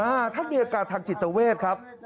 ท่านมีอาการทางจิตเวทครับ